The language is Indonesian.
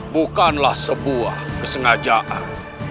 bukanlah sebuah kesengajaan